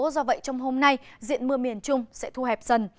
do vậy trong hôm nay diện mưa miền trung sẽ thu hẹp dần